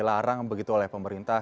dilarang begitu oleh pemerintah